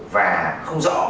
và không rõ